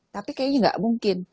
tapi kayaknya tidak mungkin